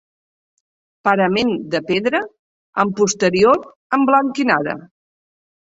Parament de pedra amb posterior emblanquinada.